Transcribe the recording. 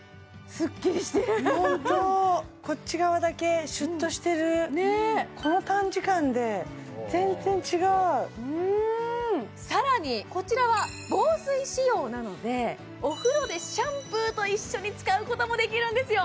ホントこっち側だけシュっとしてるこの短時間で全然違うさらにこちらは防水仕様なのでお風呂でシャンプーと一緒に使うこともできるんですよ